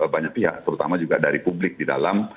banyak pihak terutama juga dari publik di dalam